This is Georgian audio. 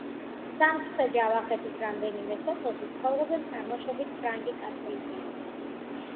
სამცხე–ჯავახეთის რამდენიმე სოფელში ცხოვრობენ წარმოშობით ფრანგი კათოლიკეები.